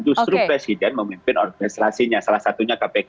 justru presiden memimpin organisasinya salah satunya kpk